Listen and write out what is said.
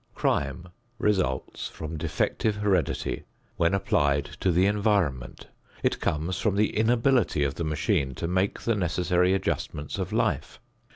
Crime results from defective heredity when applied to the environment. It comes from the inability of the machine to make the necessary adjustments of life.